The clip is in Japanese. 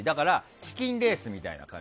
チキンレースみたいな感じ。